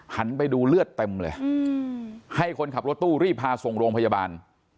หันไปดูเลือดเต็มเลยให้คนขับรถตู้รีบพาส่งโรงพยาบาล